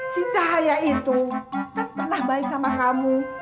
si cahaya itu tak pernah baik sama kamu